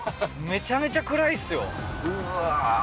めちゃめちゃ暗いですようわー